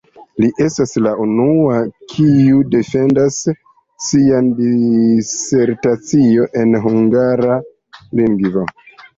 Li estis la unua, kiu defendis sian disertacion en hungara lingvo.